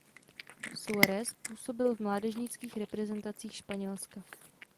Suárez působil v mládežnických reprezentacích Španělska.